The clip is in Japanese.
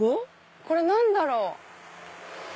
これ何だろう？